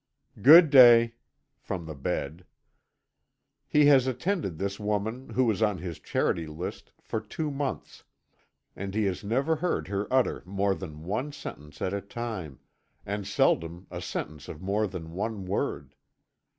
"Good day," from the bed. He has attended this woman, who is on his charity list, for two months, and he has never heard her utter more than one sentence at a time and seldom a sentence of more than one word.